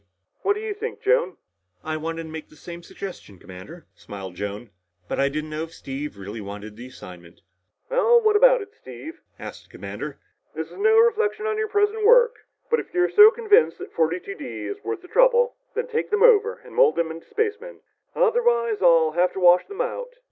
"What do you think, Joan?" "I wanted to make the same suggestion, Commander," smiled Joan. "But I didn't know if Steve really would want the assignment." "Well, what about it, Steve?" asked the commander. "This is no reflection on your present work. But if you're so convinced that 42 D is worth the trouble, then take them over and mold them into spacemen. Otherwise, I'll have to wash them out."